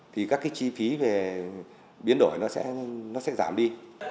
thì các cái chi phí về biến đổi nó sẽ giảm đi